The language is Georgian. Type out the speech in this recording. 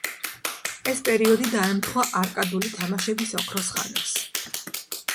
ეს პერიოდი დაემთხვა არკადული თამაშების ოქროს ხანას.